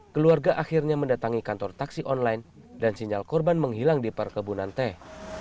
keluarga akhirnya mendatangi kantor taksi online dan sinyal korban menghilang di perkebunan teh